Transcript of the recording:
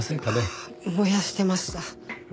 ああ燃やしてました。